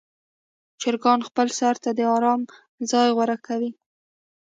چرګان خپل سر ته د آرام ځای غوره کوي.